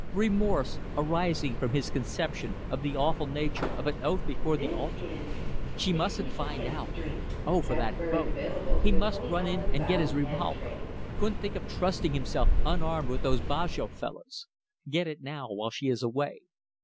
Remorse, arising from his conception of the awful nature of an oath before the altar. ... She mustn't find out. ... Oh, for that boat! He must run in and get his revolver. Couldn't think of trusting himself unarmed with those Bajow fellows. Get it now while she is away.